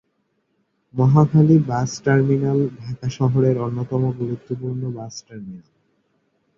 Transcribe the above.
Mohakhali bus terminal Dhaka শহরের অন্যতম গুরুত্বপূর্ণ বাস টার্মিনাল।